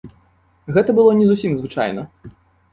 Гэта было не зусім звычайна.